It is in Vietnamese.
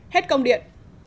hết công điện